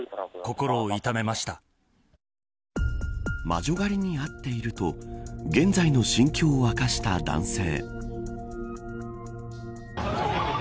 魔女狩りに遭っていると現在の心境を明かした男性。